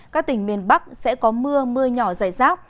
các tỉnh miền bắc sẽ có mưa mưa nhỏ dài rác